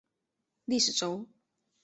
历史轴。